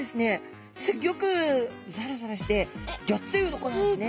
ギョくザラザラしてギョッつい鱗なんですね。